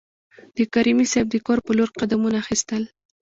د کریمي صیب د کور په لور قدمونه اخیستل.